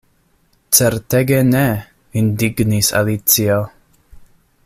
"Certege ne!" indignis Alicio.